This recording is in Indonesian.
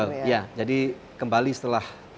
betul ya jadi kembali setelah